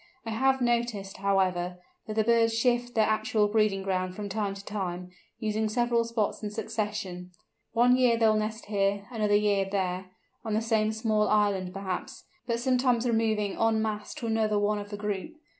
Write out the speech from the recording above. I have noticed, however, that the birds shift their actual breeding ground from time to time, using several spots in succession. One year they will nest here, another year there, on the same small island perhaps, but sometimes removing en masse to another one of the group.